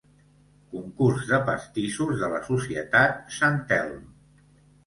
Concurs de pastissos de la Societat Sant Telm.